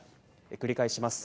繰り返します。